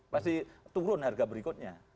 pasti turun harga berikutnya